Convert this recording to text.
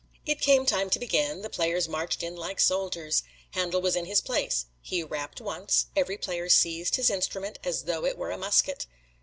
"It came time to begin the players marched in like soldiers. Handel was in his place. He rapped once every player seized his instrument as though it were a musket.